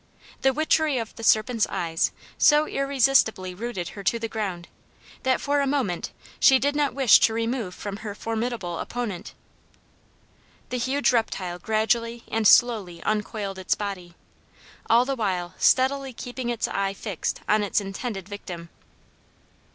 The witchery of the serpent's eyes so irresistibly rooted her to the ground, that for a moment she did not wish to remove from her formidable opponent. The huge reptile gradually and slowly uncoiled its body; all the while steadily keeping its eye fixed on its intended victim.